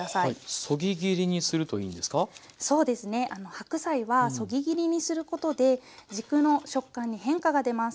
白菜はそぎ切りにすることで軸の食感に変化が出ます。